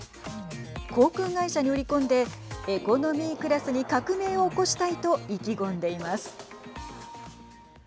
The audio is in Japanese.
航空会社に売り込んでエコノミークラスに革命を起こしたいと意気込んでいます。